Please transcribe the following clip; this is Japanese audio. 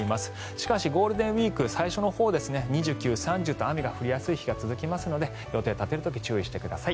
しかしゴールデンウィーク最初のほう２９日、３０日と雨が降りやすい日が続きますので予定を立てる時に注意してください。